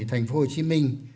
thành phố hồ chí minh